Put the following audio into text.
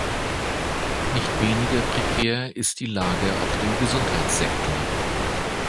Nicht weniger prekär ist die Lage auf dem Gesundheitssektor.